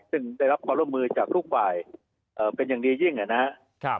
ซึ่งได้รับความร่วมมือจากทุกฝ่ายเป็นอย่างดียิ่งนะครับ